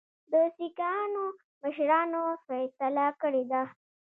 د سیکهانو مشرانو فیصله کړې ده.